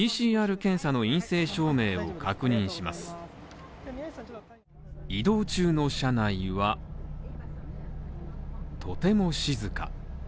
皆さん、移動中の車内は、とても静か。